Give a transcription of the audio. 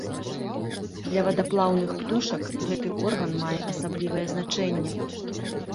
Для вадаплаўных птушак гэты орган мае асаблівае значэнне.